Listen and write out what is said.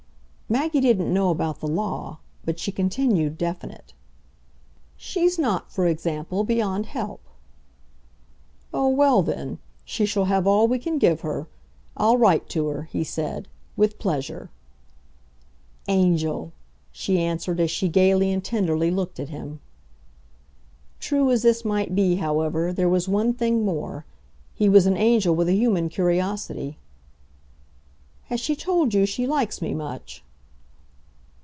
Maggie didn't know about the law, but she continued definite. "She's not, for example, beyond help." "Oh well then, she shall have all we can give her. I'll write to her," he said, "with pleasure." "Angel!" she answered as she gaily and tenderly looked at him. True as this might be, however, there was one thing more he was an angel with a human curiosity. "Has she told you she likes me much?"